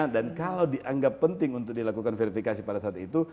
dan kalau dianggap penting untuk dilakukan verifikasi pada saat itu